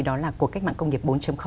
đó là cuộc cách mạng công nghiệp bốn